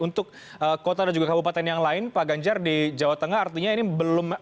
untuk kota dan juga kabupaten yang lain pak ganjar di jawa tengah artinya ini belum